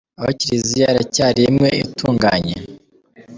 Aho Kiliziya iracyari imwe itunganye ?